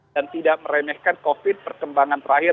dan tidak meremehkan covid sembilan belas perkembangan terakhir